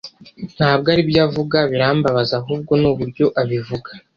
ntabwo aribyo avuga birambabaza ahubwo ni uburyo abivuga